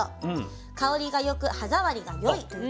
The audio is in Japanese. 香りがよく歯触りがよいという結果です。